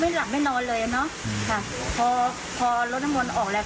ไม่หลับไม่นอนเลยเนอะค่ะพอพอรถนมวลออกแล้ว